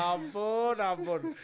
ya ampun ya ampun